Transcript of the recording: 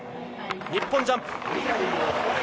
日本ジャンプ。